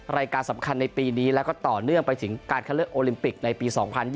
รายการสำคัญในปีนี้แล้วก็ต่อเนื่องไปถึงการคัดเลือกโอลิมปิกในปี๒๐๒๐